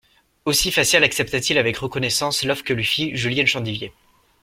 Aussi Facial accepta-t-il avec reconnaissance l'offre que lui fit Julienne Chandivier.